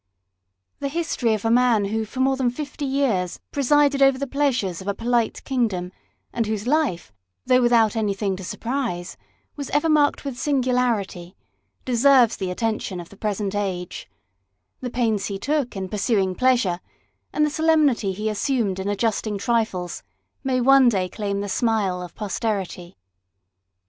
The history of a man who for more than fifty years presided over the pleasures of a polite kingdom, and whose life, though without any thing to surprise, was ever marked with singularity, deserves the attention of the present age ; the pains he took in pursuing pleasure, and the solemnity he assumed in adjusting trifles, may one day claim the smile of posterity.